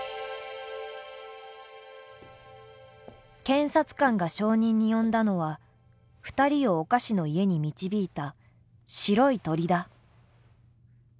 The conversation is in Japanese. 検察官が証人に呼んだのは２人をお菓子の家に導いた白い鳥だ。